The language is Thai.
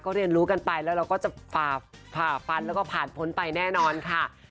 เรียนรู้กันไปแล้วเราก็จะฝ่าฟันแล้วก็ผ่านพ้นไปแน่นอนค่ะ